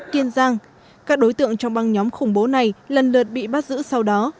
kiên giang các đối tượng trong băng nhóm khủng bố này lần lượt bị bắt giữ sau đó